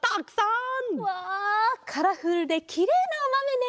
うわカラフルできれいなおまめね。